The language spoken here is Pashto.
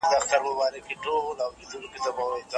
پوهان باید د ټولني درد دوا کړي.